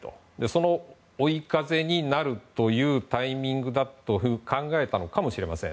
その追い風になるというタイミングだと考えたのかもしれません。